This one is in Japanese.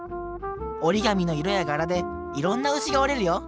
折り紙の色や柄でいろんなうしが折れるよ！